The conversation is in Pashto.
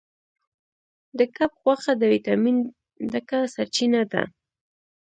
د کب غوښه د ویټامین ډکه سرچینه ده.